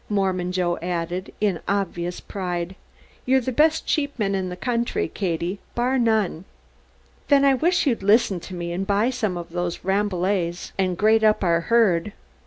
Mormon Joe added in obvious pride, "You're the best sheepman in the country, Katie, bar none." "Then I wish you'd listen to me and buy some of those Rambouillets and grade up our herd."